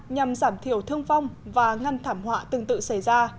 nhằm giảm thiểu thương vong và ngăn thảm họa tương tự xảy ra